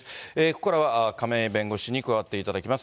ここからは、亀井弁護士に加わっていただきます。